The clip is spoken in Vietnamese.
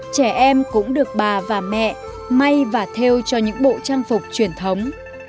trẻ em cũng được bà và mẹ may và theo cho những bộ trang phục truyền thống